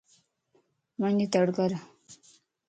وڃ تڙڪَر